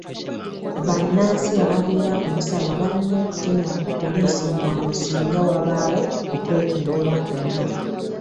Bannansi ababeera ku nsalo balina okutemya ku poliisi mu bwangu singa wabaawo okwekengera kwonna.